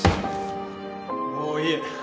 もういい。